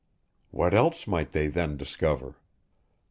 What else might they then discover?